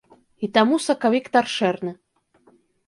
І таму сакавік таршэрны.